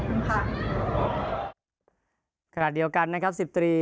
เพราะพรุ่งนี้ก็ถือว่าเป็นในรอบชิงค่ะ